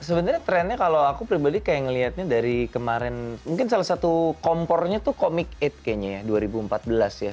sebenarnya trennya kalau aku pribadi kayak ngelihatnya dari kemarin mungkin salah satu kompornya tuh comic aid kayaknya ya dua ribu empat belas ya